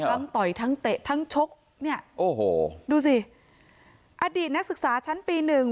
ต่อยทั้งเตะทั้งชกเนี่ยโอ้โหดูสิอดีตนักศึกษาชั้นปีหนึ่ง